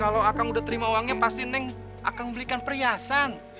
kalo akang udah terima uangnya pasti neng akan belikan perhiasan